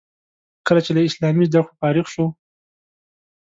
کله چې له اسلامي زده کړو فارغ شو.